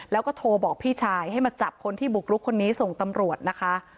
แล้วก็โทรบอกพี่ชายให้มาจับคนที่บุกรุกคนนี้ส่งตำรวจนะคะ